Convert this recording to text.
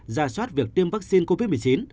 gia soát việc tiêm vaccine covid một mươi chín